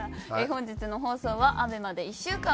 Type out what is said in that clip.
本日の放送はアベマで１週間